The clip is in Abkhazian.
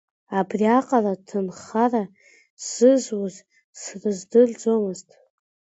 Абриаҟара ҭынхара сзызуз, срыздырӡомызт.